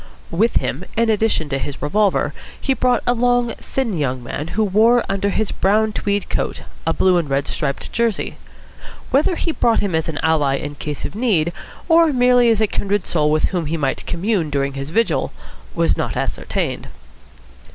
With him, in addition to his revolver, he brought a long, thin young man who wore under his brown tweed coat a blue and red striped jersey. Whether he brought him as an ally in case of need or merely as a kindred soul with whom he might commune during his vigil, was not ascertained.